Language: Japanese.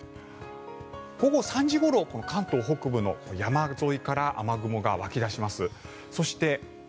午後３時ごろ関東北部の山沿いから雨雲が湧き出します。